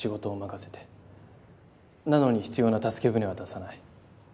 なのに必要な助け舟は出さない。